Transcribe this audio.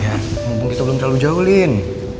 ya mumpung kita belum terlalu jauh lin